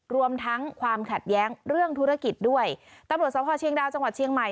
รวมทั้งความขัดแย้งเรื่องธุรกิจด้วยตำรวจสภเชียงดาวจังหวัดเชียงใหม่